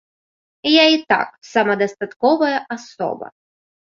Я і так самадастатковая асоба.